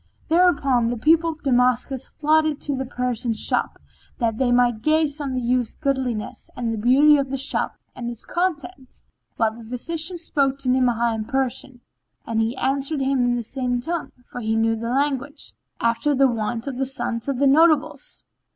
Thereupon the people of Damascus flocked to the Persian's shop that they might gaze on the youth's goodliness and the beauty of the shop and its contents, whilst the physician spoke to Ni'amah in Persian and he answered him in the same tongue, for he knew the language, after the wont of the sons of the notables.